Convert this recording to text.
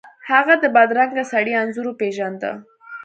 هغه د بدرنګه سړي انځور وپیژنده.